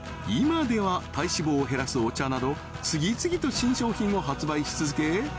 今では体脂肪を減らすお茶など次々と新商品を発売し続け